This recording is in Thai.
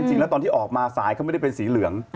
จริงแล้วตอนที่ออกมาสายเขาไม่ได้เป็นสีเหลือง